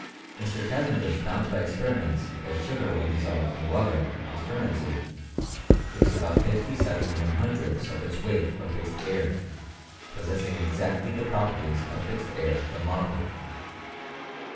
Mr. Cavendish found by experiment that sugar when dissolved in water and fermented, gives out 57 lOOths of its weight of fixed air, possess ing exactly the properties of fixed air from marble.